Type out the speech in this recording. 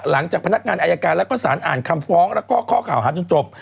หลังจากพนักงานอายการแล้วก็สารอ่านคำฟ้องแล้วก็ข้อข่าวหาจนจบ